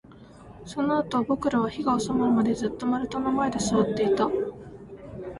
そのあと、僕らは火が収まるまで、ずっと丸太の前で座っていた